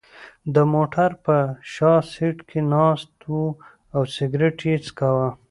د موټر په شا سېټ کې ناست و او سګرېټ یې څکاو.